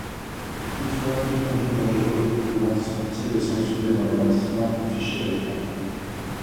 Toutefois, toute conduite dangereuse ou antisportive est sanctionnée d'un avertissement affiché à l'écran.